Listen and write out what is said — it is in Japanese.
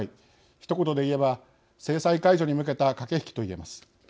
ひと言で言えば制裁解除に向けた駆け引きと言えます。